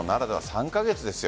３カ月ですよ。